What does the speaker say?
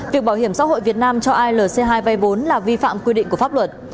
việc bảo hiểm xã hội việt nam cho alc hai vay vốn là vi phạm quy định của pháp luật